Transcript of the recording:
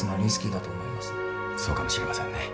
そうかもしれませんね。